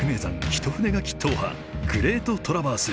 一筆書き踏破「グレートトラバース」。